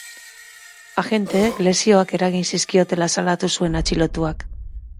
Agenteek lesioak eragin zizkiotela salatu zuen atxilotuak.